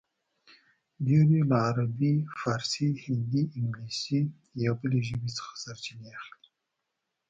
ډېر یې له عربي، فارسي، هندي، انګلیسي یا بلې ژبې څخه سرچینې اخلي